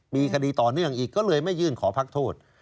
มีคดีต่อเนื่องอีกก็เลยไม่ยื่นขอพักโทษ